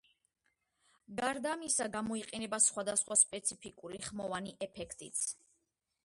გარდა ამისა, გამოიყენება სხვადასხვა სპეციფიკური ხმოვანი ეფექტიც.